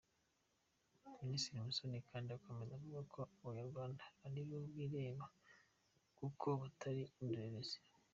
Minisitiri Musoni kandi akomeza avuga ko abanyarwanda ari bo bireba kuko batari indorerezi.